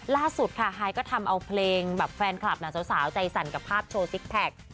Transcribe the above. ล่าสุดค่ะไฮก็ทำเอาเพลงแบบแฟนคลับสาวใจสั่นกับภาพโชว์ซิกแพค